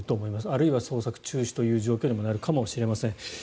あるいは捜索中止という状況にもなるかもしれません。